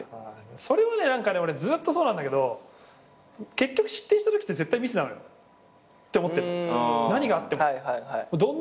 それはね俺ずっとそうなんだけど結局失点したときって絶対ミスなのよ。って思ってんの。